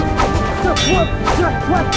ini bagian guru